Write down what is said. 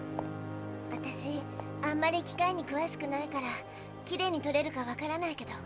私あんまり機械にくわしくないからきれいにとれるかわからないけど。